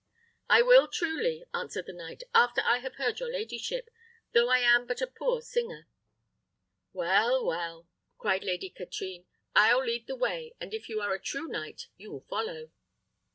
"I will truly," answered the knight, "after I have heard your ladyship, though I am but a poor singer.'" "Well, well!" cried Lady Katrine, "I'll lead the way; and if you are a true knight, you will follow."